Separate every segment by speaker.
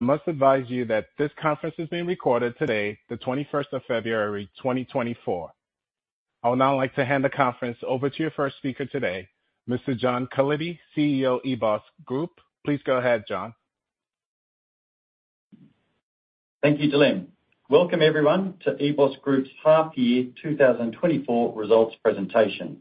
Speaker 1: I must advise you that this conference is being recorded today, the 21st of February, 2024. I would now like to hand the conference over to your first speaker today, Mr. John Cullity, CEO, EBOS Group. Please go ahead, John.
Speaker 2: Thank you, Delaine. Welcome, everyone, to EBOS Group's Half Year 2024 Results Presentation.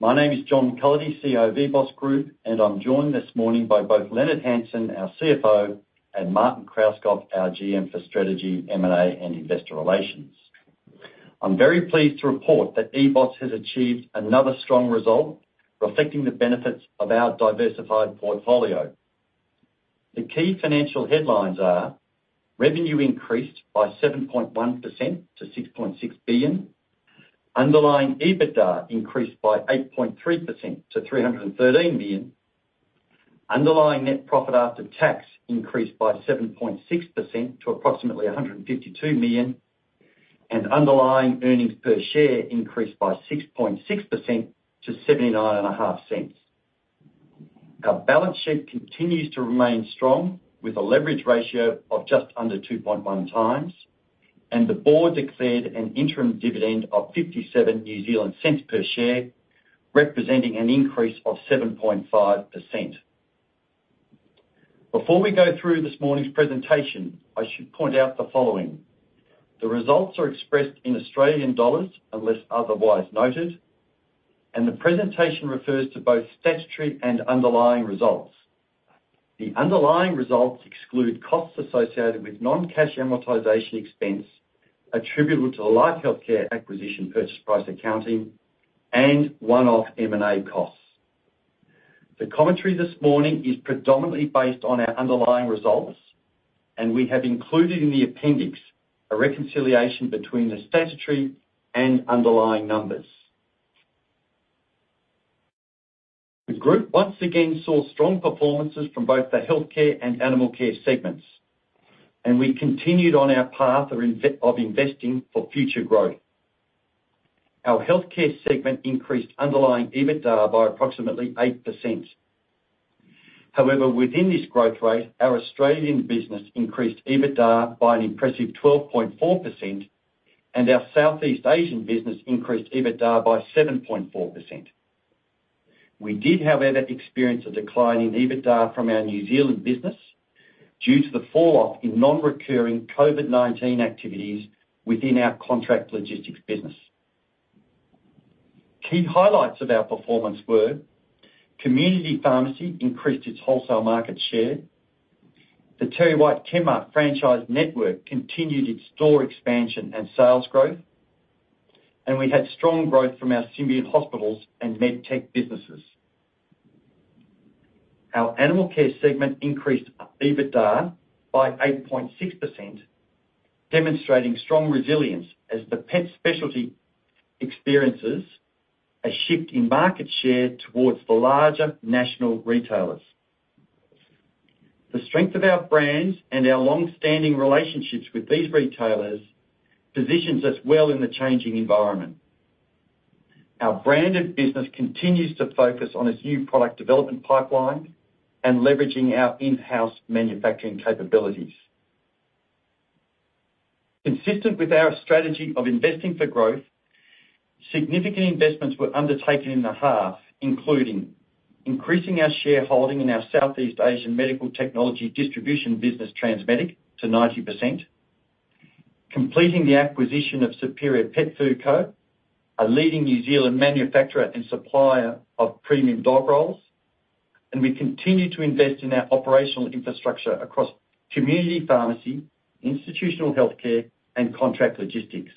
Speaker 2: My name is John Cullity, CEO of EBOS Group, and I'm joined this morning by both Leonard Hansen, our CFO, and Martin Krauskopf, our GM for Strategy, M&A, and Investor Relations. I'm very pleased to report that EBOS has achieved another strong result, reflecting the benefits of our diversified portfolio. The key financial headlines are: revenue increased by 7.1% to 6.6 billion, underlying EBITDA increased by 8.3% to 313 million, underlying net profit after tax increased by 7.6% to approximately 152 million, and underlying earnings per share increased by 6.6% to 0.795. Our balance sheet continues to remain strong, with a leverage ratio of just under 2.1x, and the Board declared an interim dividend of 0.57 per share, representing an increase of 7.5%. Before we go through this morning's presentation, I should point out the following: the results are expressed in AUD, unless otherwise noted, and the presentation refers to both statutory and underlying results. The underlying results exclude costs associated with non-cash amortization expense attributable to the LifeHealthcare acquisition purchase price accounting, and one-off M&A costs. The commentary this morning is predominantly based on our underlying results, and we have included in the appendix a reconciliation between the statutory and underlying numbers. The group once again saw strong performances from both the Healthcare and Animal Care segments, and we continued on our path of investing for future growth. Our Healthcare segment increased underlying EBITDA by approximately 8%. However, within this growth rate, our Australian business increased EBITDA by an impressive 12.4%, and our Southeast Asian business increased EBITDA by 7.4%. We did, however, experience a decline in EBITDA from our New Zealand business due to the falloff in non-recurring COVID-19 activities within our Contract Logistics business. Key highlights of our performance were: Community Pharmacy increased its wholesale market share, the TerryWhite Chemmart franchise network continued its store expansion and sales growth, and we had strong growth from our Symbion Hospitals and MedTech businesses. Our Animal Care segment increased EBITDA by 8.6%, demonstrating strong resilience as the pet specialty experiences a shift in market share towards the larger national retailers. The strength of our brands and our long-standing relationships with these retailers positions us well in the changing environment. Our branded business continues to focus on its new product development pipeline and leveraging our in-house manufacturing capabilities. Consistent with our strategy of investing for growth, significant investments were undertaken in the half, including increasing our shareholding in our Southeast Asian medical technology distribution business, Transmedic, to 90%, completing the acquisition of Superior Pet Food Co, a leading New Zealand manufacturer and supplier of premium dog rolls, and we continue to invest in our operational infrastructure across Community Pharmacy, Institutional Healthcare, and Contract Logistics.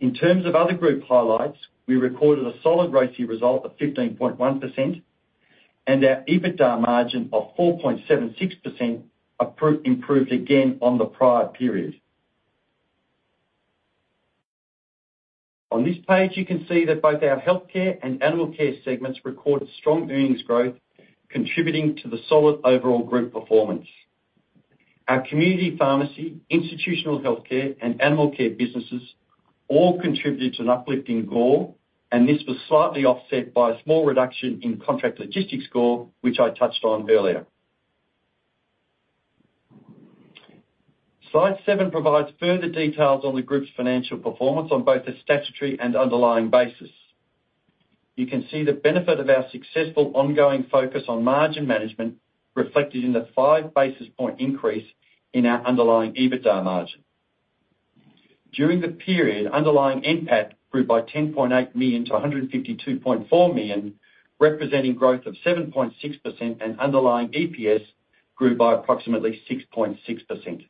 Speaker 2: In terms of other group highlights, we recorded a solid ROCE result of 15.1%, and our EBITDA margin of 4.76% improved again on the prior period. On this page, you can see that both our Healthcare and Animal Care segments recorded strong earnings growth, contributing to the solid overall group performance. Our Community Pharmacy, Institutional Healthcare, and Animal Care businesses all contributed to an uplift in GOR, and this was slightly offset by a small reduction in contract logistics GOR, which I touched on earlier. Slide 7 provides further details on the group's financial performance on both the statutory and underlying basis. You can see the benefit of our successful ongoing focus on margin management, reflected in the five basis point increase in our underlying EBITDA margin. During the period, underlying NPAT grew by 10.8 million to 152.4 million, representing growth of 7.6%, and underlying EPS grew by approximately 6.6%.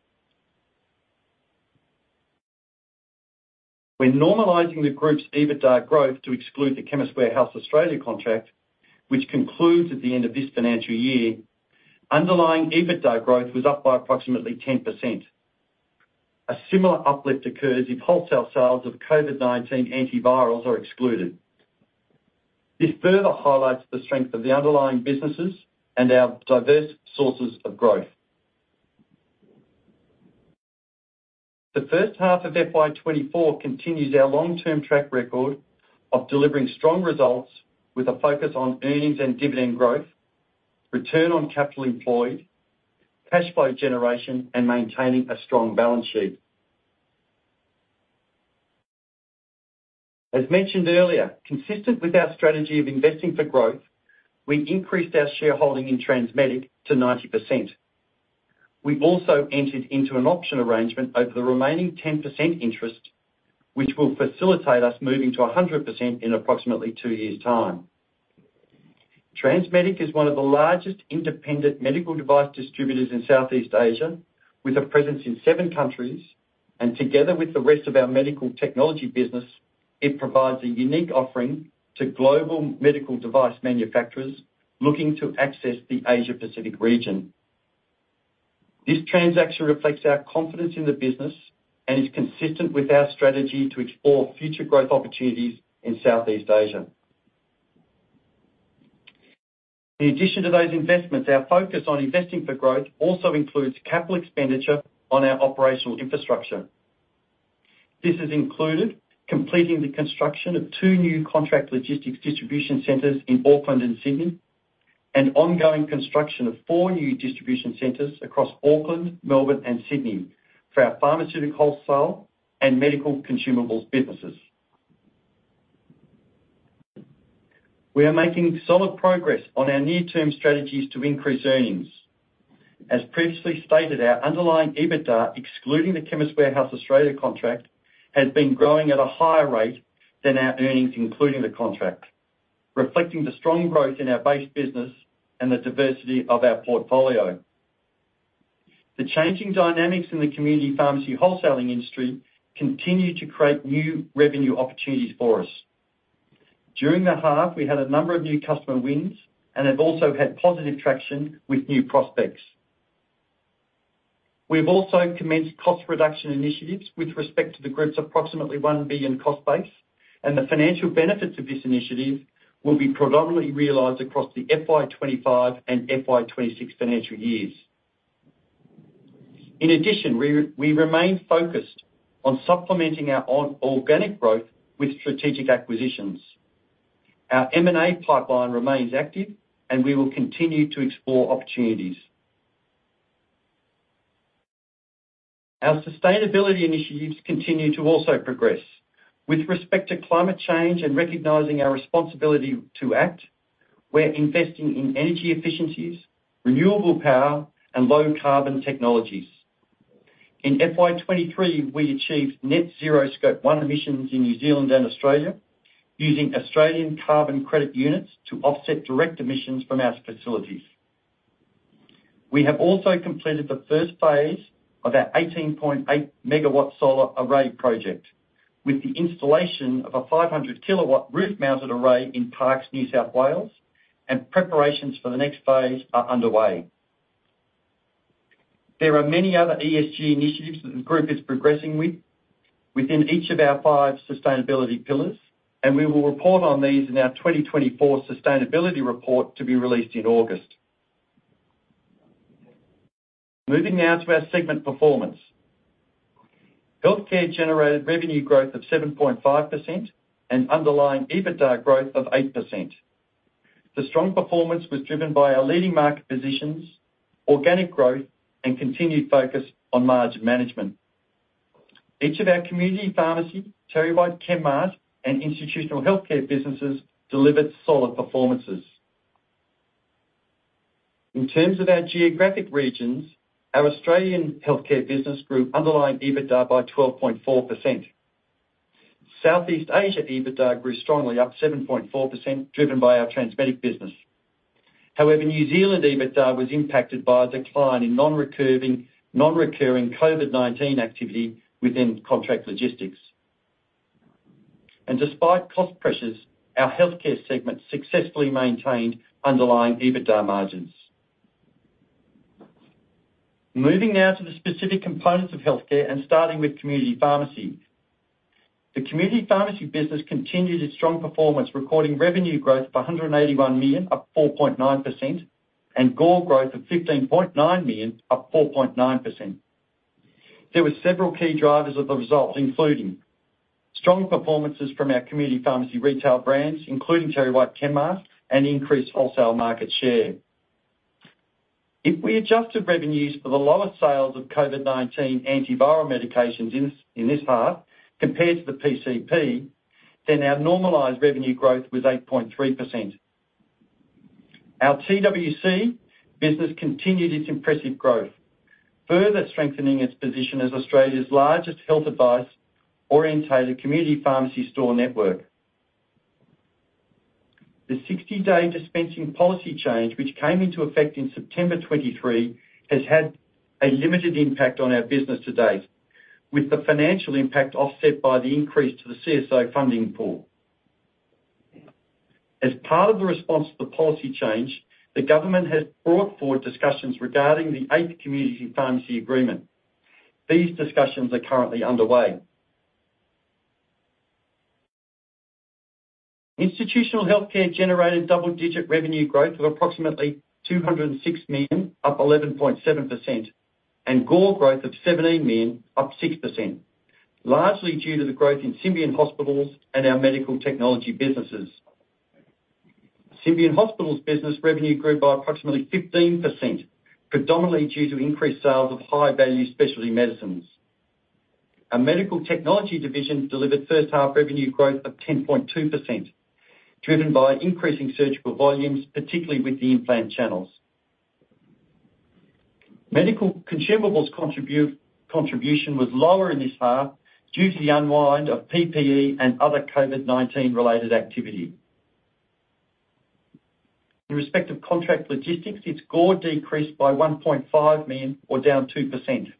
Speaker 2: When normalizing the Group's EBITDA growth to exclude the Chemist Warehouse Australia contract, which concludes at the end of this financial year, underlying EBITDA growth was up by approximately 10%. A similar uplift occurs if wholesale sales of COVID-19 antivirals are excluded. This further highlights the strength of the underlying businesses and our diverse sources of growth.... The first half of FY 2024 continues our long-term track record of delivering strong results with a focus on earnings and dividend growth, return on capital employed, cash flow generation, and maintaining a strong balance sheet. As mentioned earlier, consistent with our strategy of investing for growth, we increased our shareholding in Transmedic to 90%. We've also entered into an option arrangement over the remaining 10% interest, which will facilitate us moving to 100% in approximately two years' time. Transmedic is one of the largest independent medical device distributors in Southeast Asia, with a presence in seven countries, and together with the rest of our medical technology business, it provides a unique offering to global medical device manufacturers looking to access the Asia Pacific region. This transaction reflects our confidence in the business and is consistent with our strategy to explore future growth opportunities in Southeast Asia. In addition to those investments, our focus on investing for growth also includes capital expenditure on our operational infrastructure. This has included completing the construction of two new contract logistics distribution centers in Auckland and Sydney, and ongoing construction of four new distribution centers across Auckland, Melbourne, and Sydney for our pharmaceutical wholesale and medical consumables businesses. We are making solid progress on our near-term strategies to increase earnings. As previously stated, our underlying EBITDA, excluding the Chemist Warehouse Australia contract, has been growing at a higher rate than our earnings, including the contract, reflecting the strong growth in our base business and the diversity of our portfolio. The changing dynamics in the Community Pharmacy wholesaling industry continue to create new revenue opportunities for us. During the half, we had a number of new customer wins and have also had positive traction with new prospects. We have also commenced cost reduction initiatives with respect to the group's approximately 1 billion cost base, and the financial benefits of this initiative will be predominantly realized across the FY 2025 and FY 2026 financial years. In addition, we remain focused on supplementing our non-organic growth with strategic acquisitions. Our M&A pipeline remains active, and we will continue to explore opportunities. Our sustainability initiatives continue to also progress. With respect to climate change and recognizing our responsibility to act, we're investing in energy efficiencies, renewable power, and low-carbon technologies. In FY 2023, we achieved net zero Scope 1 emissions in New Zealand and Australia, using Australian carbon credit units to offset direct emissions from our facilities. We have also completed the first phase of our 18.8-megawatt solar array project, with the installation of a 500-kilowatt roof-mounted array in Parkes, New South Wales, and preparations for the next phase are underway. There are many other ESG initiatives that the group is progressing with within each of our five sustainability pillars, and we will report on these in our 2024 sustainability report to be released in August. Moving now to our segment performance. Healthcare generated revenue growth of 7.5% and underlying EBITDA growth of 8%. The strong performance was driven by our leading market positions, organic growth, and continued focus on margin management. Each of our Community Pharmacy, TerryWhite Chemmart, and Institutional Healthcare businesses delivered solid performances. In terms of our geographic regions, our Australian Healthcare business grew underlying EBITDA by 12.4%. Southeast Asia EBITDA grew strongly, up 7.4%, driven by our Transmedic business. However, New Zealand EBITDA was impacted by a decline in non-recurring COVID-19 activity within contract logistics. Despite cost pressures, our Healthcare segment successfully maintained underlying EBITDA margins. Moving now to the specific components of Healthcare and starting with Community Pharmacy. The Community Pharmacy business continued its strong performance, recording revenue growth of 181 million, up 4.9%, and GOR growth of 15.9 million, up 4.9%. There were several key drivers of the results, including strong performances from our Community Pharmacy retail brands, including TerryWhite Chemmart, and increased wholesale market share. If we adjusted revenues for the lower sales of COVID-19 antiviral medications in this half compared to the PCP, then our normalized revenue growth was 8.3%. Our TWC business continued its impressive growth, further strengthening its position as Australia's largest health advice-orientated Community Pharmacy store network. The 60-day dispensing policy change, which came into effect in September 2023, has had a limited impact on our business to date, with the financial impact offset by the increase to the CSO funding pool. As part of the response to the policy change, the government has brought forward discussions regarding the eighth Community Pharmacy Agreement. These discussions are currently underway. Institutional Healthcare generated double-digit revenue growth of approximately 206 million, up 11.7%, and GOR growth of 17 million, up 6%, largely due to the growth in Symbion Hospitals and our medical technology businesses. Symbion Hospitals' business revenue grew by approximately 15%, predominantly due to increased sales of high-value specialty medicines. Our medical technology division delivered first half revenue growth of 10.2%, driven by increasing surgical volumes, particularly with the implant channels. Medical consumables contribution was lower in this half due to the unwind of PPE and other COVID-19 related activity. In respect of contract logistics, its GOR decreased by 1.5 million, or down 2%.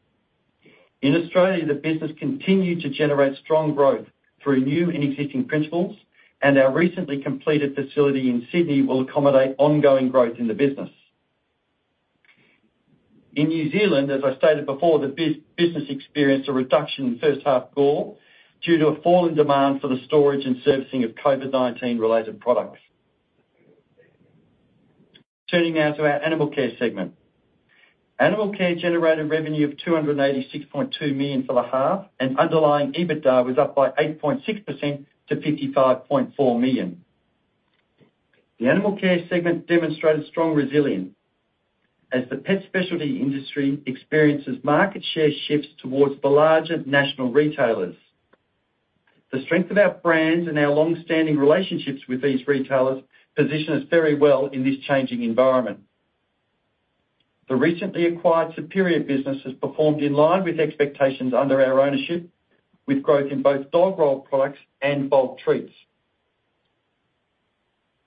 Speaker 2: In Australia, the business continued to generate strong growth through new and existing principals, and our recently completed facility in Sydney will accommodate ongoing growth in the business. In New Zealand, as I stated before, the business experienced a reduction in first half GOR due to a fall in demand for the storage and servicing of COVID-19 related products. Turning now to our Animal Care segment. Animal Care generated revenue of 286.2 million for the half, and underlying EBITDA was up by 8.6% to 55.4 million. The Animal Care segment demonstrated strong resilience as the pet specialty industry experiences market share shifts towards the larger national retailers. The strength of our brands and our long-standing relationships with these retailers position us very well in this changing environment. The recently acquired Superior business has performed in line with expectations under our ownership, with growth in both dog roll products and bulk treats.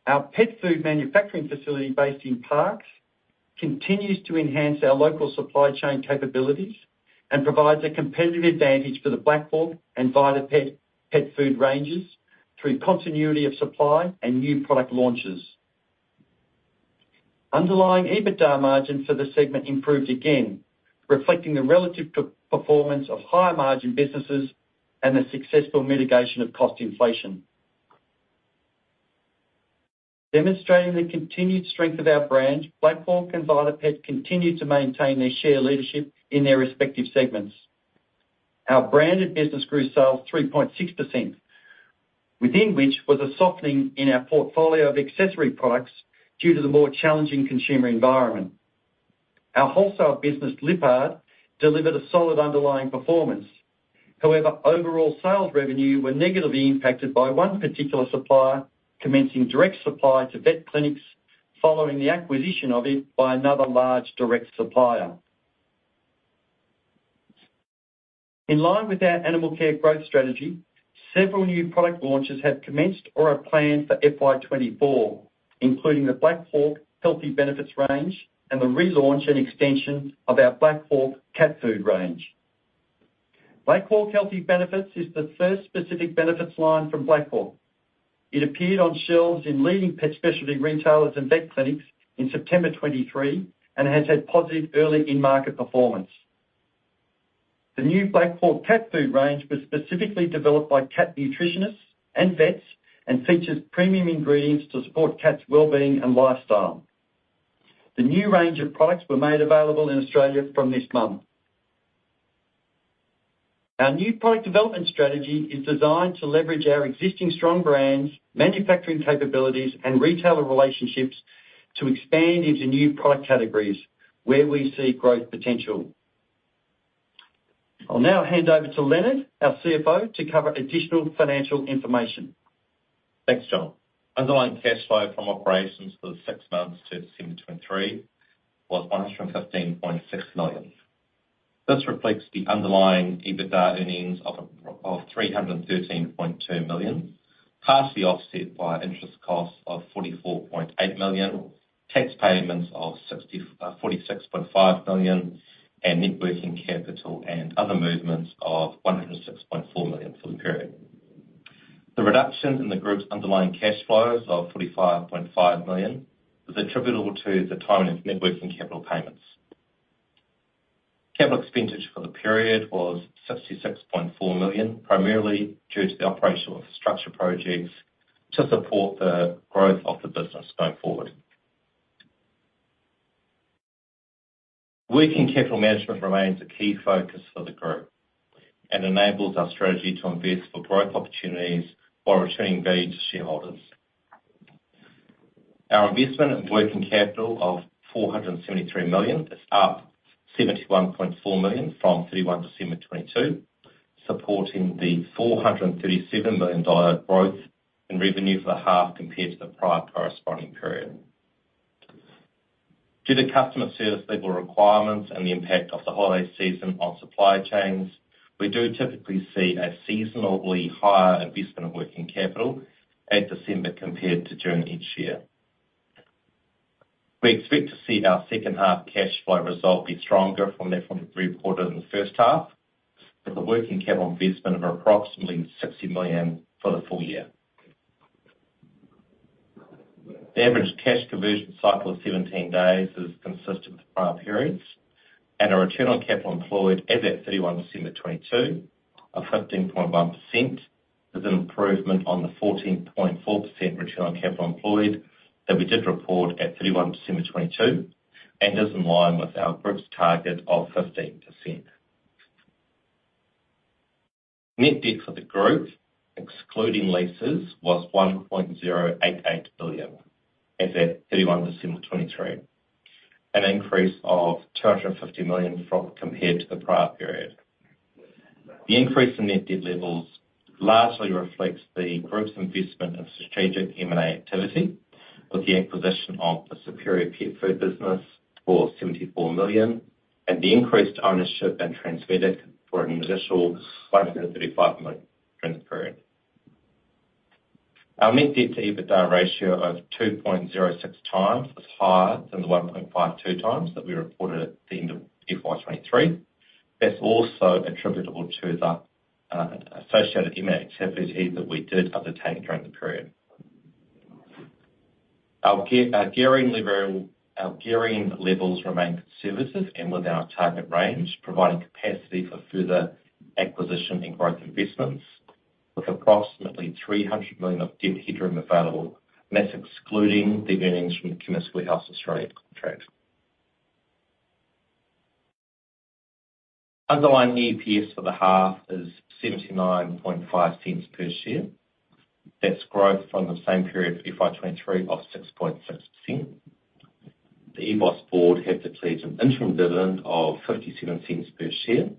Speaker 2: Our pet food manufacturing facility based in Parkes continues to enhance our local supply chain capabilities and provides a competitive advantage for the Black Hawk and VitaPet pet food ranges through continuity of supply and new product launches. Underlying EBITDA margin for the segment improved again, reflecting the relative performance of higher margin businesses and the successful mitigation of cost inflation. Demonstrating the continued strength of our brand, Black Hawk and VitaPet continue to maintain their share leadership in their respective segments. Our branded business grew sales 3.6%, within which was a softening in our portfolio of accessory products due to the more challenging consumer environment. Our wholesale business, Lyppard, delivered a solid underlying performance. However, overall sales revenue were negatively impacted by one particular supplier commencing direct supply to vet clinics, following the acquisition of it by another large direct supplier. In line with our Animal Care growth strategy, several new product launches have commenced or are planned for FY 2024, including the Black Hawk Healthy Benefits range and the relaunch and extension of our Black Hawk cat food range. Black Hawk Healthy Benefits is the first specific benefits line from Black Hawk. It appeared on shelves in leading pet specialty retailers and vet clinics in September 2023, and has had positive early in-market performance. The new Black Hawk cat food range was specifically developed by cat nutritionists and vets, and features premium ingredients to support cats' well-being and lifestyle. The new range of products were made available in Australia from this month. Our new product development strategy is designed to leverage our existing strong brands, manufacturing capabilities, and retailer relationships to expand into new product categories where we see growth potential. I'll now hand over to Leonard, our CFO, to cover additional financial information.
Speaker 3: Thanks, John. Underlying cash flow from operations for the six months to December 2023 was 115.6 million. This reflects the underlying EBITDA earnings of 313.2 million, partially offset by interest costs of 44.8 million, tax payments of 46.5 million, and net working capital and other movements of 106.4 million for the period. The reduction in the group's underlying cash flows of 45.5 million is attributable to the timing of net working capital payments. Capital expenditure for the period was 66.4 million, primarily due to the operational infrastructure projects to support the growth of the business going forward. Working capital management remains a key focus for the group, and enables our strategy to invest for growth opportunities while returning value to shareholders. Our investment in working capital of AUD 473 million is up AUD 71.4 million from 31 December 2022, supporting the AUD 437 million growth in revenue for the half, compared to the prior corresponding period. Due to customer service level requirements and the impact of the holiday season on supply chains, we do typically see a seasonally higher investment in working capital at December compared to June each year. We expect to see our second half cash flow result be stronger from that from the reported in the first half, with a working capital investment of approximately 60 million for the full year.... The average cash conversion cycle of 17 days is consistent with prior periods, and our return on capital employed as at 31 December 2022, of 15.1%, is an improvement on the 14.4% return on capital employed that we did report at 31 December 2022, and is in line with our group's target of 15%. Net debt for the group, excluding leases, was 1.088 billion, as at 31 December 2023, an increase of 250 million from compared to the prior period. The increase in net debt levels largely reflects the group's investment in strategic M&A activity, with the acquisition of the Superior Pet Food business for 74 million, and the increased ownership in Transmedic for an additional 135 million during the period. Our net debt to EBITDA ratio of 2.06x is higher than the 1.52x that we reported at the end of FY 2023. That's also attributable to the associated M&A activities that we did undertake during the period. Our gearing levels remain conservative and within our target range, providing capacity for further acquisition and growth investments, with approximately 300 million of debt headroom available. That's excluding the earnings from the Chemist Warehouse Australia contract. Underlying EPS for the half is 0.795 per share. That's growth from the same period, FY 2023, of 6.6%. The EBOS board have declared an interim dividend of 0.57 per share,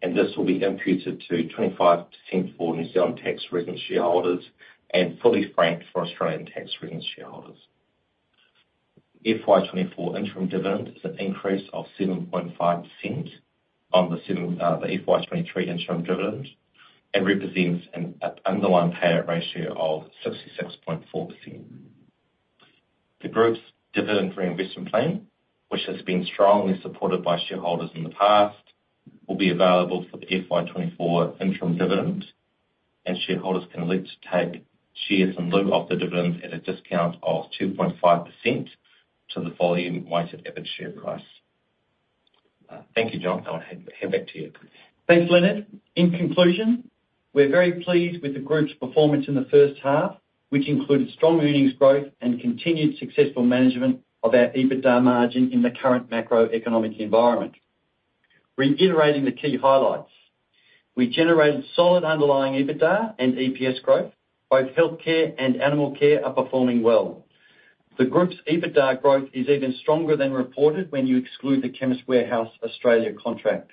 Speaker 3: and this will be imputed to 0.25 for New Zealand tax-resident shareholders, and fully franked for Australian tax-resident shareholders. FY 2024 interim dividend is an increase of 7.5%, the FY 2023 interim dividend, and represents an underlying payout ratio of 66.4%. The group's dividend reinvestment plan, which has been strongly supported by shareholders in the past, will be available for the FY 2024 interim dividend, and shareholders can elect to take shares in lieu of the dividend at a discount of 2.5% to the volume-weighted average share price. Thank you, John. I'll hand back to you.
Speaker 2: Thanks, Leonard. In conclusion, we're very pleased with the group's performance in the first half, which included strong earnings growth and continued successful management of our EBITDA margin in the current macroeconomic environment. Reiterating the key highlights, we generated solid underlying EBITDA and EPS growth. Both Healthcare and Animal Care are performing well. The group's EBITDA growth is even stronger than reported, when you exclude the Chemist Warehouse Australia contract.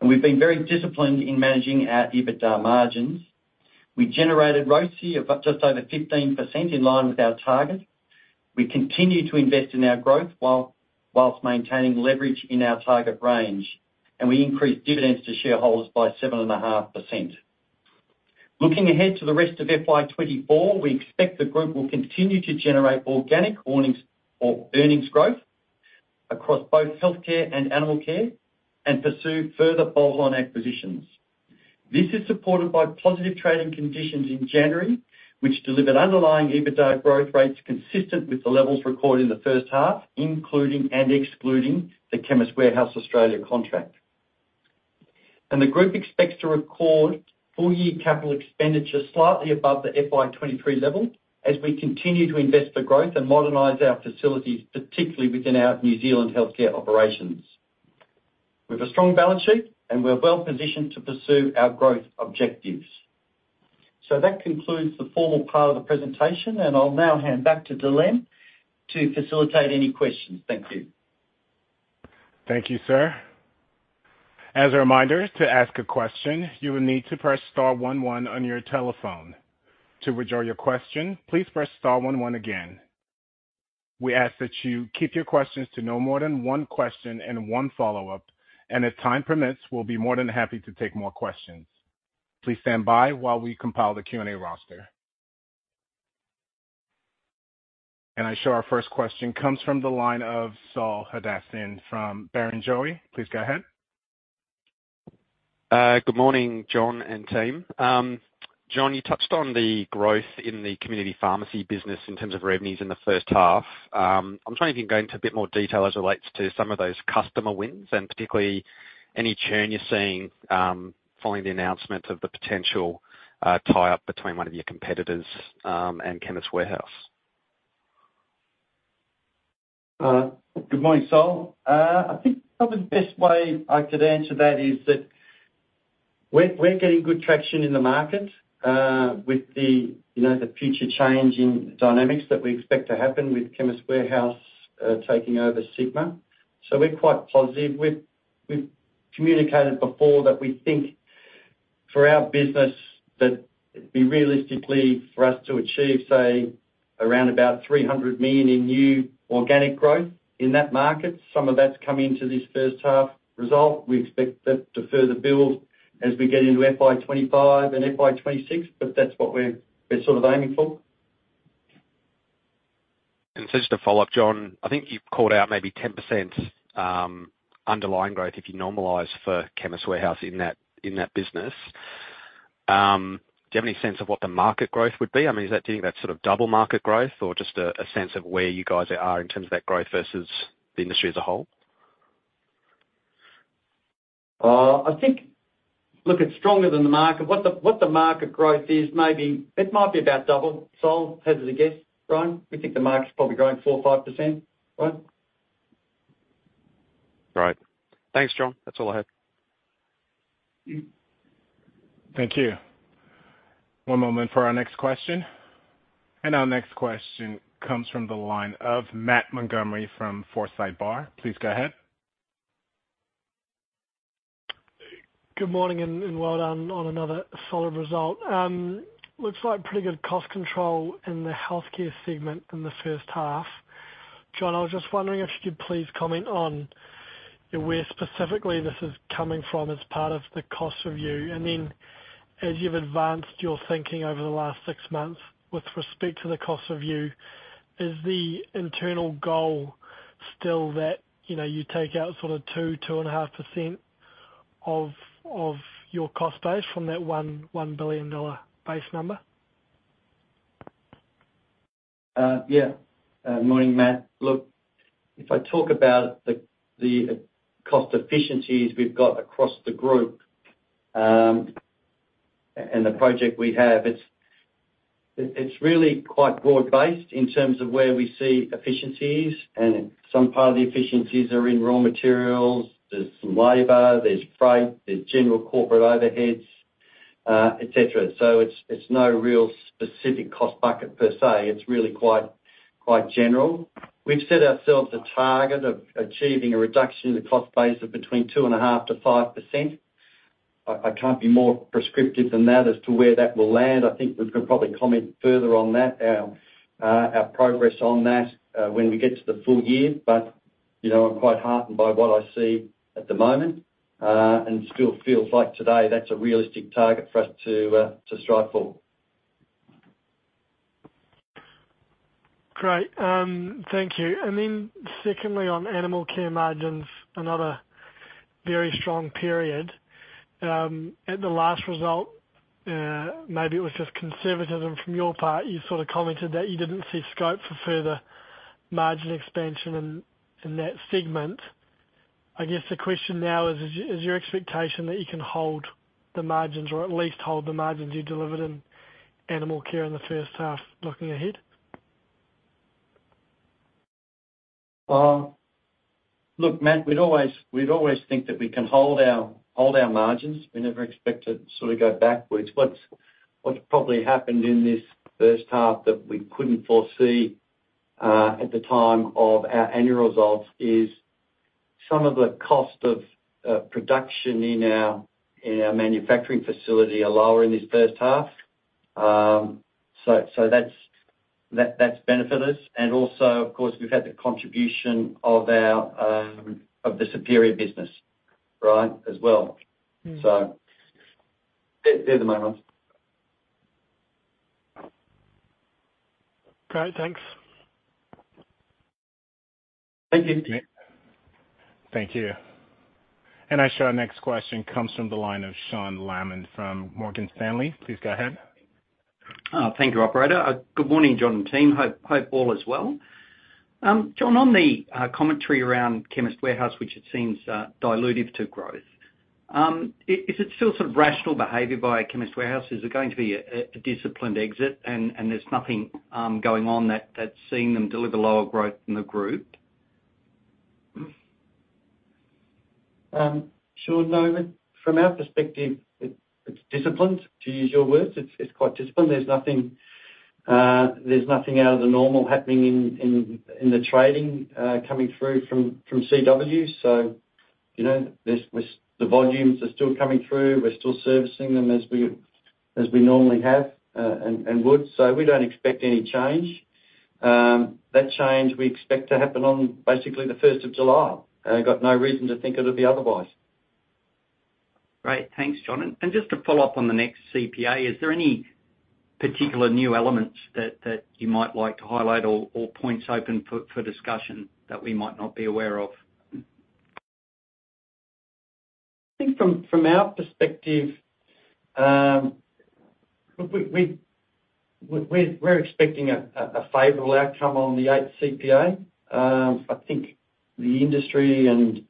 Speaker 2: We've been very disciplined in managing our EBITDA margins. We generated ROTCE of just over 15%, in line with our target. We continue to invest in our growth, whilst maintaining leverage in our target range, and we increased dividends to shareholders by 7.5%. Looking ahead to the rest of FY 2024, we expect the group will continue to generate organic earnings or earnings growth across both Healthcare and Animal Care, and pursue further bolt-on acquisitions. This is supported by positive trading conditions in January, which delivered underlying EBITDA growth rates consistent with the levels recorded in the first half, including and excluding the Chemist Warehouse Australia contract. The group expects to record full year capital expenditure slightly above the FY 2023 level, as we continue to invest for growth and modernize our facilities, particularly within our New Zealand Healthcare operations. We've a strong balance sheet, and we're well positioned to pursue our growth objectives. So that concludes the formal part of the presentation, and I'll now hand back to Delaine to facilitate any questions. Thank you.
Speaker 1: Thank you, sir. As a reminder, to ask a question, you will need to press star one one on your telephone. To withdraw your question, please press star one one again. We ask that you keep your questions to no more than one question and one follow-up, and if time permits, we'll be more than happy to take more questions. Please stand by while we compile the Q&A roster. I see our first question comes from the line of Saul Hadassin from Barrenjoey. Please go ahead.
Speaker 4: Good morning, John and team. John, you touched on the growth in the Community Pharmacy business in terms of revenues in the first half. I'm trying to go into a bit more detail as it relates to some of those customer wins, and particularly any churn you're seeing, following the announcement of the potential tie-up between one of your competitors, and Chemist Warehouse.
Speaker 2: Good morning, Saul. I think probably the best way I could answer that is that we're getting good traction in the market with the, you know, the future change in dynamics that we expect to happen with Chemist Warehouse taking over Sigma. So we're quite positive. We've communicated before that we think, for our business, that it'd be realistically for us to achieve, say, around about 300 million in new organic growth in that market. Some of that's come into this first half result. We expect that to further build as we get into FY 2025 and FY 2026, but that's what we're sort of aiming for.
Speaker 4: Just to follow up, John, I think you've called out maybe 10%, underlying growth, if you normalize for Chemist Warehouse in that, in that business.... Do you have any sense of what the market growth would be? I mean, is that, do you think that's sort of double market growth or just a sense of where you guys are in terms of that growth versus the industry as a whole?
Speaker 2: I think, look, it's stronger than the market. What the market growth is, maybe it might be about double. So, I'll hazard a guess, Saul? We think the market's probably growing 4% or 5%, right?
Speaker 4: Right. Thanks, John. That's all I had.
Speaker 1: Thank you. One moment for our next question. Our next question comes from the line of Matt Montgomerie from Forsyth Barr. Please go ahead.
Speaker 5: Good morning, and well done on another solid result. Looks like pretty good cost control in the Healthcare segment in the first half. John, I was just wondering if you could please comment on where specifically this is coming from as part of the cost review. And then, as you've advanced your thinking over the last six months with respect to the cost review, is the internal goal still that, you know, you take out sort of 2%-2.5% of your cost base from that 1 billion dollar base number?
Speaker 2: Yeah. Morning, Matt. Look, if I talk about the cost efficiencies we've got across the group, and the project we have, it's really quite broad-based in terms of where we see efficiencies, and some part of the efficiencies are in raw materials. There's some labor, there's freight, there's general corporate overheads, et cetera. So it's no real specific cost bucket per se. It's really quite general. We've set ourselves a target of achieving a reduction in the cost base of between 2.5%-5%. I can't be more prescriptive than that as to where that will land. I think we can probably comment further on that, our progress on that, when we get to the full year. But, you know, I'm quite heartened by what I see at the moment, and still feels like today that's a realistic target for us to strive for.
Speaker 5: Great. Thank you. And then secondly, on Animal Care margins, another very strong period. At the last result, maybe it was just conservatism from your part, you sort of commented that you didn't see scope for further margin expansion in that segment. I guess the question now is, is your expectation that you can hold the margins or at least hold the margins you delivered in Animal Care in the first half, looking ahead?
Speaker 2: Look, Matt, we'd always think that we can hold our margins. We never expect to sort of go backwards. What's probably happened in this first half that we couldn't foresee at the time of our annual results is some of the cost of production in our manufacturing facility are lower in this first half. So that's benefited us. And also, of course, we've had the contribution of our Superior business, right, as well.
Speaker 5: Mm.
Speaker 2: So they're the main ones.
Speaker 5: Great, thanks.
Speaker 2: Thank you.
Speaker 1: Thank you. I show our next question comes from the line of Sean Laaman from Morgan Stanley. Please go ahead.
Speaker 6: Thank you, operator. Good morning, John and team. Hope all is well. John, on the commentary around Chemist Warehouse, which it seems dilutive to growth, is it still sort of rational behavior by Chemist Warehouse? Is it going to be a disciplined exit, and there's nothing going on that's seeing them deliver lower growth in the group?
Speaker 2: Sean, no, from our perspective, it, it's disciplined, to use your words. It's, it's quite disciplined. There's nothing, there's nothing out of the normal happening in the trading coming through from CW. So, you know, the volumes are still coming through. We're still servicing them as we normally have, and would, so we don't expect any change. That change we expect to happen on basically the first of July, and I've got no reason to think it'll be otherwise.
Speaker 6: Great. Thanks, John. And just to follow up on the next CPA, is there any particular new elements that you might like to highlight or points open for discussion that we might not be aware of?
Speaker 2: I think from our perspective, we're expecting a favorable outcome on the eighth CPA. I think the industry and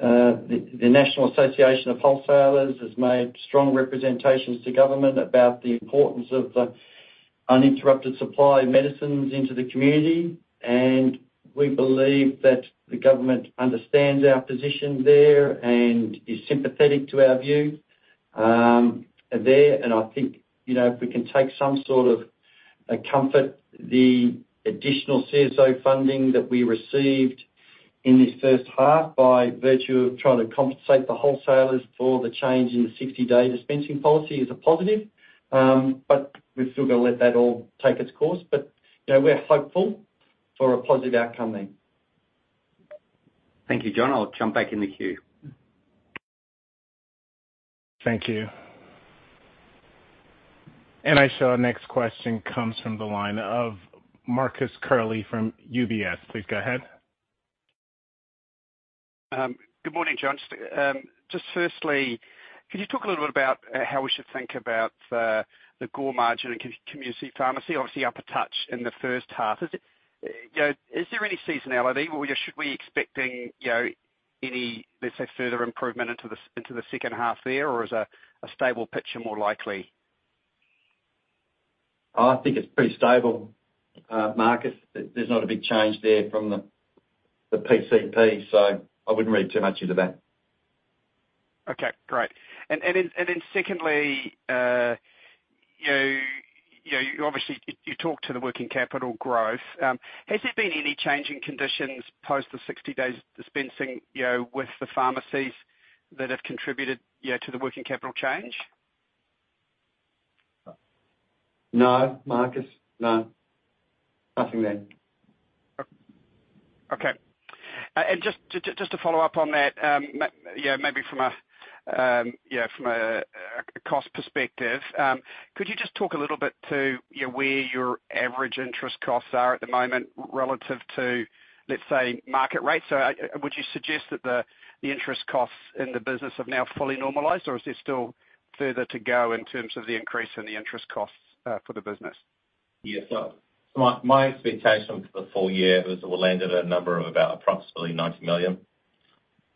Speaker 2: the National Association of Wholesalers has made strong representations to government about the importance of the uninterrupted supply of medicines into the community, and we believe that the government understands our position there and is sympathetic to our view there. And I think, you know, if we can take some sort of a comfort, the additional CSO funding that we received in this first half, by virtue of trying to compensate the wholesalers for the change in the 60-day dispensing policy, is a positive. But we've still got to let that all take its course. But, you know, we're hopeful for a positive outcome there.
Speaker 6: Thank you, John. I'll jump back in the queue.
Speaker 1: Thank you. And I show our next question comes from the line of Marcus Curley from UBS. Please go ahead. ...
Speaker 7: Good morning, John. Just, just firstly, could you talk a little bit about, how we should think about, the core margin in Community Pharmacy, obviously up a touch in the first half. Is it, you know, is there any seasonality, or should we expecting, you know, any, let's say, further improvement into the second half there, or is a stable picture more likely?
Speaker 2: I think it's pretty stable, Marcus. There's not a big change there from the PCP, so I wouldn't read too much into that.
Speaker 7: Okay, great. And then secondly, you know, you obviously, you talked to the working capital growth. Has there been any change in conditions post the 60 days dispensing, you know, with the pharmacies that have contributed, you know, to the working capital change?
Speaker 2: No, Marcus, no. Nothing there.
Speaker 7: Okay. And just to follow up on that, you know, maybe from a cost perspective, could you just talk a little bit to, you know, where your average interest costs are at the moment, relative to, let's say, market rates? So, would you suggest that the interest costs in the business have now fully normalized, or is there still further to go in terms of the increase in the interest costs for the business?
Speaker 3: Yeah. So, so my, my expectation for the full year was we'll land at a number of about approximately 90 million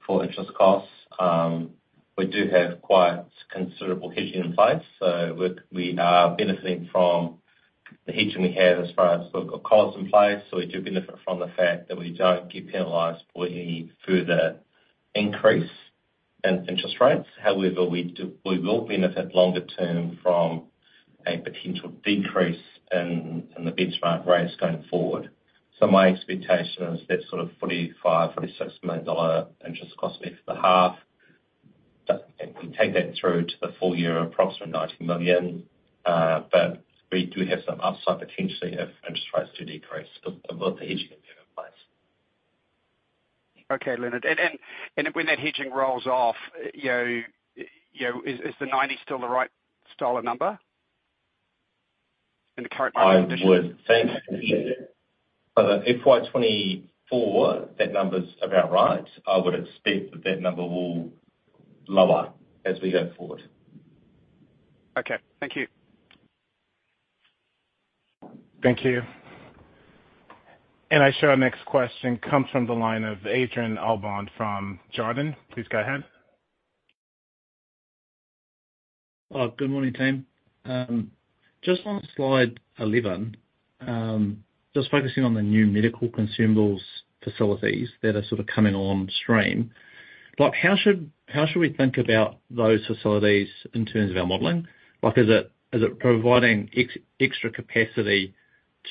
Speaker 3: for interest costs. We do have quite considerable hedging in place, so we, we are benefiting from the hedging we have as far as sort of costs in place. So we do benefit from the fact that we don't get penalized for any further increase in interest rates. However, we do- we will benefit longer term from a potential decrease in, in the benchmark rates going forward. So my expectation is that sort of 45-46 million dollar interest cost for the half, but if we take that through to the full year, approximately 90 million. But we do have some upside potentially if interest rates do decrease, about the hedging that we have in place.
Speaker 7: Okay, Leonard. And when that hedging rolls off, you know, is the 90 still the right dollar number in the current market conditions?
Speaker 3: I would think, for the FY 2024, that number's about right. I would expect that that number will lower as we go forward.
Speaker 7: Okay. Thank you.
Speaker 1: Thank you. I show our next question comes from the line of Adrian Allbon from Jarden. Please go ahead.
Speaker 8: Good morning, team. Just on Slide 11, just focusing on the new medical consumables facilities that are sort of coming online stream, like, how should we think about those facilities in terms of our modeling? Like, is it providing extra capacity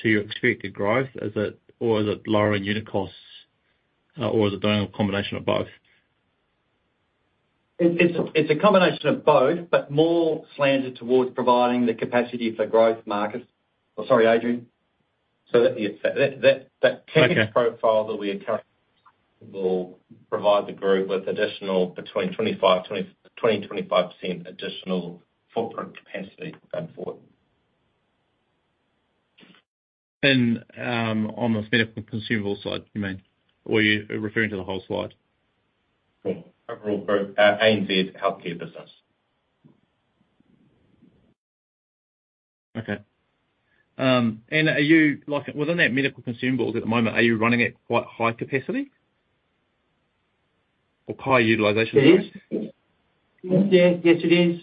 Speaker 8: to your expected growth, or is it lowering unit costs, or is it doing a combination of both?
Speaker 2: It's a combination of both, but more slanted towards providing the capacity for growth, Marcus. Oh, sorry, Adrian.
Speaker 3: So that, yeah, that...
Speaker 8: Okay...
Speaker 3: profile that we encourage will provide the group with additional between 20 and 25% additional footprint capacity going forward.
Speaker 8: On the medical consumable side, you mean, or are you referring to the whole slide?
Speaker 3: Overall group, ANZ Healthcare business.
Speaker 8: Okay. Are you, like, within that medical consumables at the moment, are you running at quite high capacity or high utilization?
Speaker 2: Yeah. Yes, it is.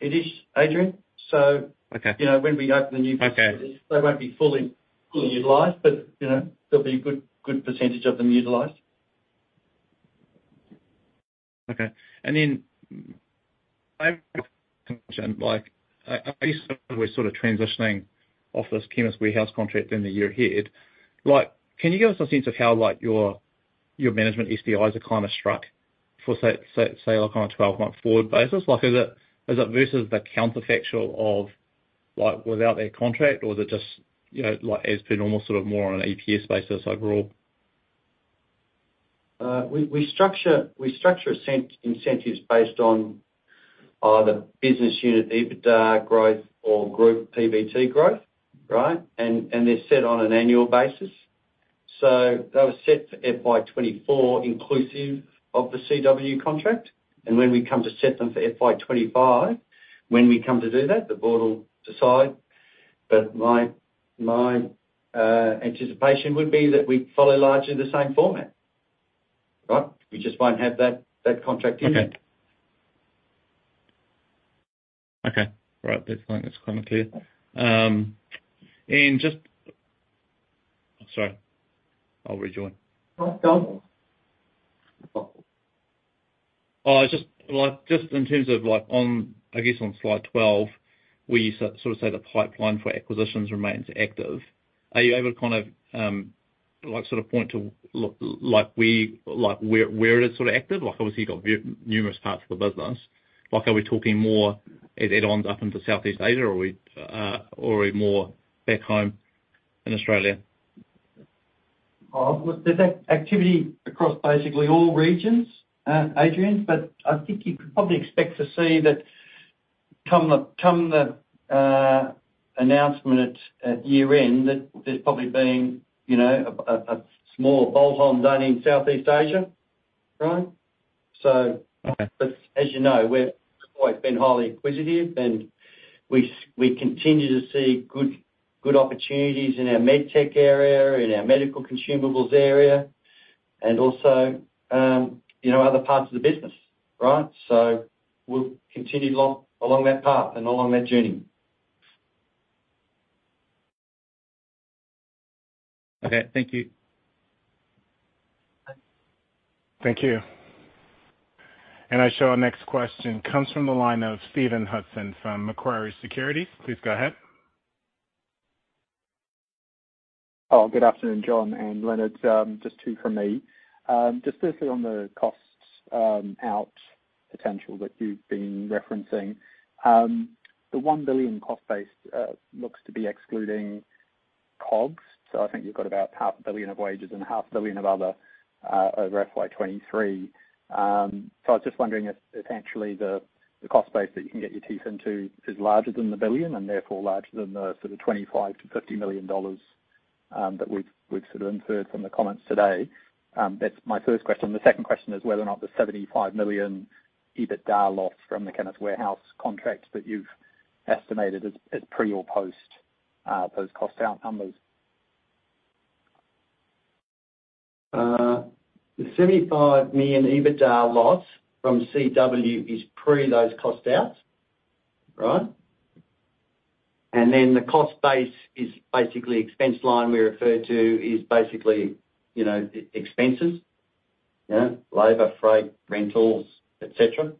Speaker 2: It is, Adrian. So-
Speaker 8: Okay...
Speaker 2: you know, when we open the new-
Speaker 8: Okay...
Speaker 2: they won't be fully, fully utilized, but, you know, there'll be a good, good percentage of them utilized.
Speaker 8: Okay, and then, like, are you sort of transitioning off this Chemist Warehouse contract in the year ahead? Like, can you give us a sense of how, like, your management STIs are kind of struck for, say, like, on a 12-month forward basis? Like, is it, is it versus the counterfactual of, like, without that contract, or is it just, you know, like, as per normal, sort of more on an EPS basis overall?
Speaker 2: We structure incentives based on the business unit EBITDA growth or group PBT growth, right? And they're set on an annual basis. So they were set for FY 2024, inclusive of the CW contract, and when we come to set them for FY 2025, the board will decide. But my anticipation would be that we'd follow largely the same format, right? We just won't have that contract in there.
Speaker 8: Okay. Okay, right. That's fine. That's kind of clear. And just... Sorry, I'll rejoin.
Speaker 2: No, go on.
Speaker 8: Just, like, just in terms of like, on, I guess, on Slide 12, where you sort of say the pipeline for acquisitions remains active, are you able to kind of, like, sort of point to like, where, like, where it is sort of active? Like, obviously you've got numerous parts of the business. Like, are we talking more at add-ons up into Southeast Asia, or are we, or are we more back home in Australia?
Speaker 2: Well, there's activity across basically all regions, Adrian, but I think you could probably expect to see that come the announcement at year-end, that there's probably been, you know, a small bolt-on done in Southeast Asia, right? So-
Speaker 9: Okay.
Speaker 2: but as you know, we've always been highly inquisitive, and we continue to see good, good opportunities in our MedTech area, in our medical consumables area, and also, you know, other parts of the business, right? So we'll continue along, along that path and along that journey.
Speaker 9: Okay, thank you.
Speaker 1: Thank you. I show our next question comes from the line of Stephen Hudson from Macquarie Securities. Please go ahead.
Speaker 10: Oh, good afternoon, John and Leonard. Just two from me. Just firstly on the costs out potential that you've been referencing, the 1 billion cost base looks to be excluding COGS. So I think you've got about 500 million of wages and 500 million of other over FY 2023. So I was just wondering if, essentially, the cost base that you can get your teeth into is larger than the billion, and therefore larger than the sort of 25 million-50 million dollars that we've sort of inferred from the comments today? That's my first question. The second question is whether or not the 75 million EBITDA loss from the Chemist Warehouse contract that you've estimated is pre or post those cost out numbers.
Speaker 2: The 75 million EBITDA loss from CW is pre those cost outs, right? And then the cost base is basically expense line we referred to is basically, you know, expenses. You know, labor, freight, rentals, et cetera.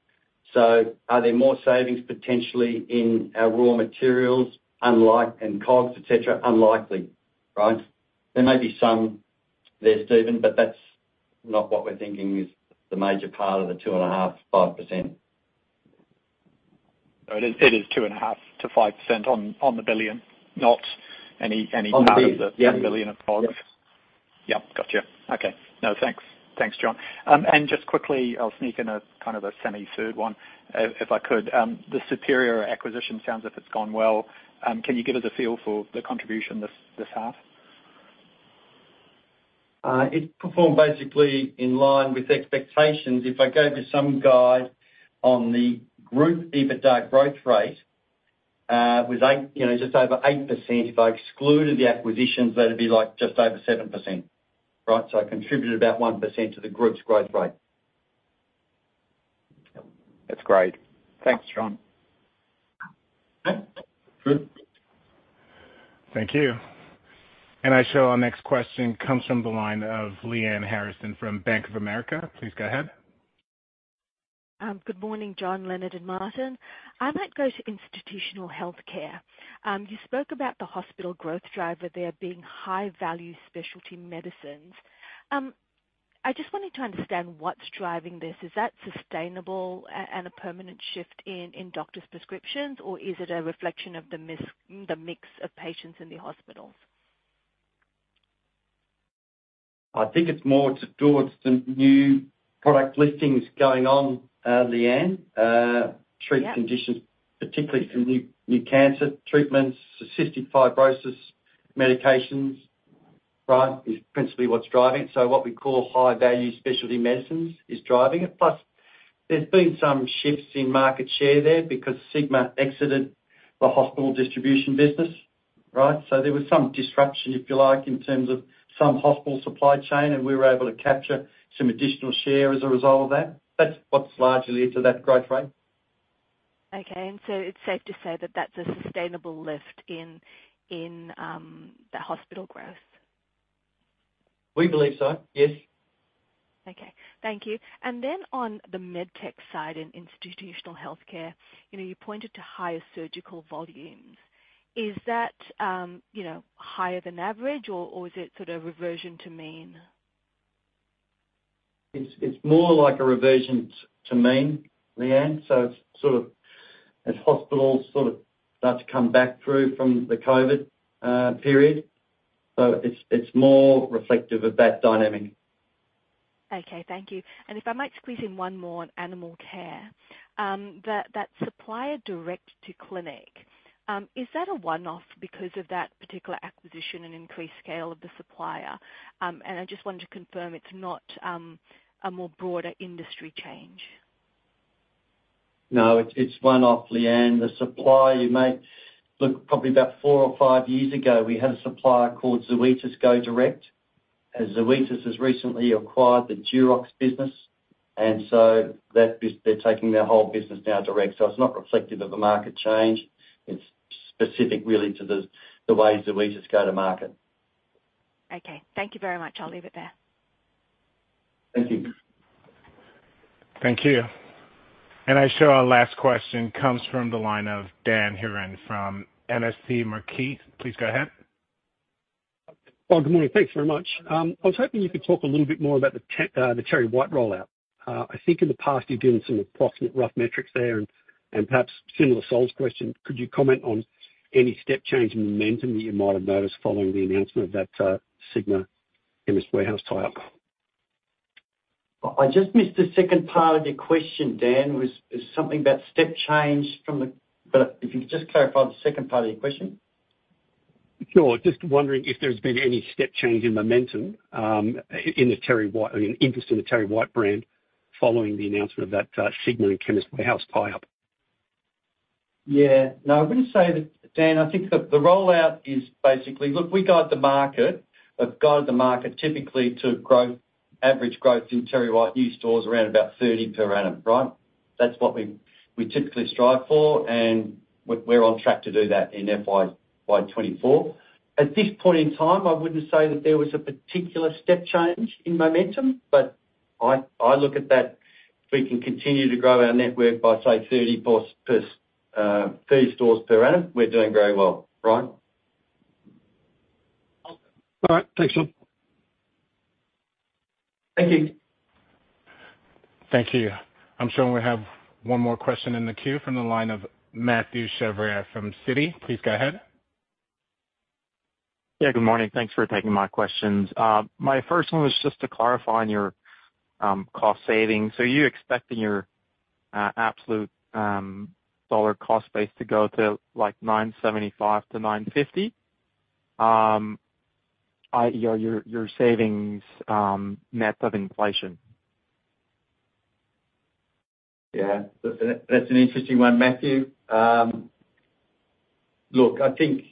Speaker 2: So are there more savings potentially in our raw materials, unlike, and COGS, et cetera? Unlikely, right? There may be some there, Stephen, but that's not what we're thinking is the major part of the 2.5-5%.
Speaker 10: So it is 2.5%-5% on the billion, not any part-
Speaker 2: On the billion.
Speaker 10: of the billion of COGS?
Speaker 2: Yes.
Speaker 10: Yeah, gotcha. Okay. No, thanks. Thanks, John. And just quickly, I'll sneak in a kind of a semi-third one, if I could. The Superior acquisition sounds as if it's gone well. Can you give us a feel for the contribution this, this half?
Speaker 2: It's performed basically in line with expectations. If I gave you some guide on the group EBITDA growth rate, it was eight, you know, just over 8%. If I excluded the acquisitions, that'd be like just over 7%, right? So I contributed about 1% to the group's growth rate.
Speaker 10: That's great. Thanks, John.
Speaker 2: Good.
Speaker 1: Thank you. And I show our next question comes from the line of Lyanne Harrison from Bank of America. Please go ahead.
Speaker 11: Good morning, John, Leonard, and Martin. I'd like to go to Institutional Healthcare. You spoke about the hospital growth driver there being high-value specialty medicines. I just wanted to understand what's driving this. Is that sustainable and a permanent shift in doctors' prescriptions, or is it a reflection of the mix of patients in the hospitals?
Speaker 2: I think it's more towards the new product listings going on, Lyanne.
Speaker 11: Yeah.
Speaker 2: treatment conditions, particularly some new, new cancer treatments, cystic fibrosis medications, right? Is principally what's driving. So what we call high-value specialty medicines is driving it. Plus, there's been some shifts in market share there because Sigma exited the hospital distribution business, right? So there was some disruption, if you like, in terms of some hospital supply chain, and we were able to capture some additional share as a result of that. That's what's largely led to that growth rate.
Speaker 11: Okay, and so it's safe to say that that's a sustainable lift in the hospital growth?
Speaker 2: We believe so, yes.
Speaker 11: Okay, thank you. Then on the MedTech side, in Institutional Healthcare, you know, you pointed to higher surgical volumes. Is that, you know, higher than average, or is it sort of reversion to mean?
Speaker 2: It's, it's more like a reversion to mean, Lyanne. So it's sort of... As hospitals sort of start to come back through from the COVID, period, so it's, it's more reflective of that dynamic.
Speaker 11: Okay, thank you. If I might squeeze in one more on Animal Care. That supplier direct to clinic, is that a one-off because of that particular acquisition and increased scale of the supplier? I just wanted to confirm it's not a more broader industry change.
Speaker 2: No, it's, it's one-off, Lyanne. The supplier you may... Look, probably about four or five years ago, we had a supplier called Zoetis go direct, and Zoetis has recently acquired the Jurox business, and so that bus- they're taking their whole business now direct. So it's not reflective of a market change. It's specific, really, to the, the way Zoetis go to market.
Speaker 11: Okay. Thank you very much. I'll leave it there.
Speaker 2: Thank you.
Speaker 1: Thank you. I show our last question comes from the line of Dan Hurren from MST Marquee. Please go ahead.
Speaker 12: Well, good morning. Thanks very much. I was hoping you could talk a little bit more about the TerryWhite rollout. I think in the past, you've given some approximate rough metrics there, and perhaps similar sales question, could you comment on any step change in momentum that you might have noticed following the announcement of that Sigma-Chemist Warehouse tie-up?...
Speaker 2: I just missed the second part of your question, Dan. It was something about step change from the-- but if you could just clarify the second part of your question?
Speaker 12: Sure. Just wondering if there's been any step change in momentum in the TerryWhite—I mean, interest in the TerryWhite brand following the announcement of that Sigma and Chemist Warehouse tie-up?
Speaker 2: Yeah. No, I'm gonna say that, Dan, I think the rollout is basically... Look, we got the market, have guided the market typically to growth, average growth in TerryWhite new stores around about 30 per annum, right? That's what we typically strive for, and we're on track to do that in FY 2024. At this point in time, I wouldn't say that there was a particular step change in momentum, but I look at that, if we can continue to grow our network by, say, 30+, 30 stores per annum, we're doing very well, right?
Speaker 12: Okay. All right, thanks a lot.
Speaker 2: Thank you.
Speaker 1: Thank you. I'm showing we have one more question in the queue from the line of Mathieu Chevrier from Citi. Please go ahead.
Speaker 13: Yeah, good morning. Thanks for taking my questions. My first one was just to clarify on your cost savings. So you're expecting your absolute dollar cost base to go to, like, 975-950? i.e., your savings net of inflation.
Speaker 2: Yeah, look, that that's an interesting one, Matthew. Look, I think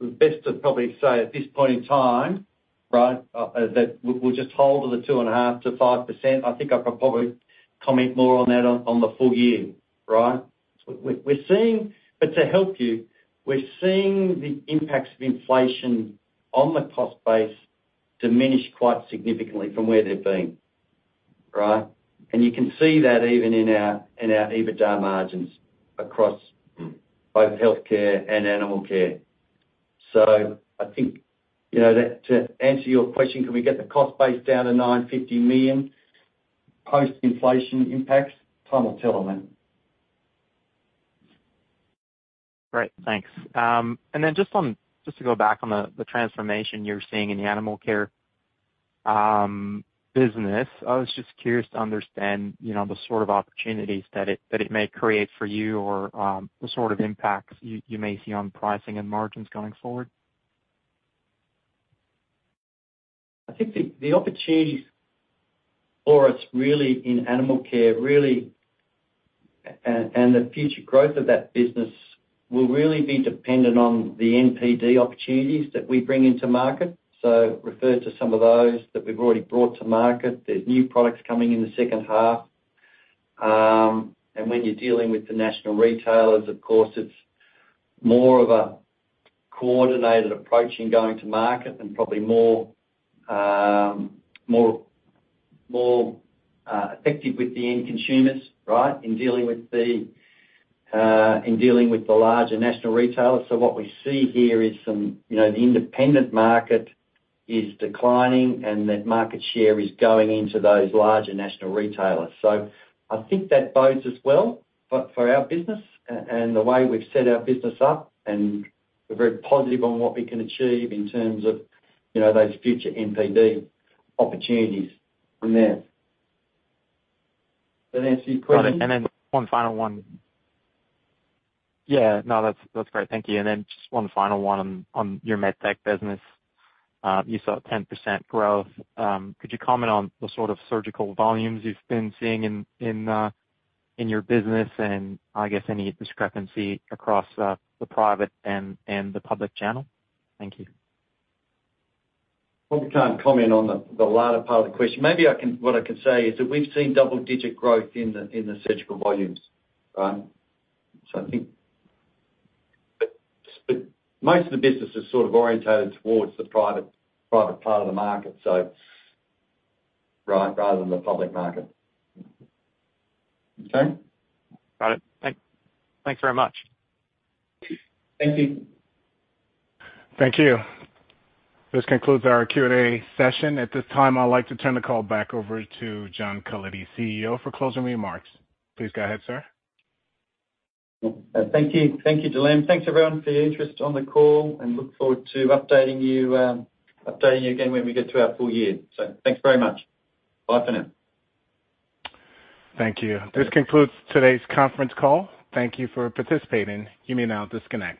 Speaker 2: the best to probably say at this point in time, right, that we'll just hold the 2.5%-5%. I think I could probably comment more on that on the full year, right? We're seeing—But to help you, we're seeing the impacts of inflation on the cost base diminish quite significantly from where they've been, right? And you can see that even in our EBITDA margins across-
Speaker 13: Mm.
Speaker 2: - both Healthcare and Animal Care. So I think, you know, that, to answer your question, can we get the cost base down to 950 million post-inflation impacts? Time will tell on that.
Speaker 13: Great, thanks. And then just to go back on the transformation you're seeing in the Animal Care business, I was just curious to understand, you know, the sort of opportunities that it may create for you, or the sort of impacts you may see on pricing and margins going forward.
Speaker 2: I think the opportunities for us, really, in Animal Care, really, and the future growth of that business, will really be dependent on the NPD opportunities that we bring into market. So referred to some of those that we've already brought to market. There's new products coming in the second half. And when you're dealing with the national retailers, of course, it's more of a coordinated approach in going to market and probably more, more, more, effective with the end consumers, right? In dealing with the larger national retailers. So what we see here is some, you know, the independent market is declining, and that market share is going into those larger national retailers. So I think that bodes us well for our business and the way we've set our business up, and we're very positive on what we can achieve in terms of, you know, those future NPD opportunities from there. That answer your question.
Speaker 13: Got it, and then one final one. Yeah, no, that's, that's great. Thank you, and then just one final one on your MedTech business. You saw 10% growth. Could you comment on the sort of surgical volumes you've been seeing in your business, and I guess any discrepancy across the private and the public channel? Thank you.
Speaker 2: Well, I can't comment on the latter part of the question. Maybe I can—what I can say is that we've seen double-digit growth in the surgical volumes, right? So I think... But most of the business is sort of oriented towards the private part of the market, so right, rather than the public market. Okay?
Speaker 13: Got it. Thanks very much.
Speaker 2: Thank you.
Speaker 1: Thank you. This concludes our Q&A session. At this time, I'd like to turn the call back over to John Cullity, CEO, for closing remarks. Please go ahead, sir.
Speaker 2: Thank you. Thank you, Delaine. Thanks, everyone, for your interest on the call, and look forward to updating you again when we get to our full year. Thanks very much. Bye for now.
Speaker 1: Thank you. This concludes today's conference call. Thank you for participating. You may now disconnect.